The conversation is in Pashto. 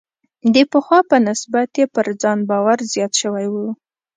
د پخوا په نسبت یې پر ځان باور زیات شوی و.